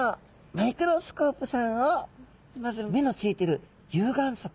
マイクロスコープさんをまず目のついてる有眼側。